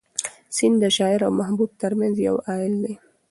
سیند د شاعر او محبوب تر منځ یو حایل دی.